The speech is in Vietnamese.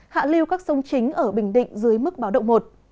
hạ lưu các sông chính ở bình định dưới mức báo động một